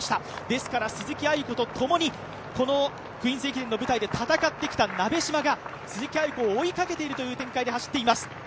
ですから鈴木亜由子とともにクイーンズ駅伝の舞台で戦ってきた鍋島が鈴木亜由子を追いかけているという展開で走っています。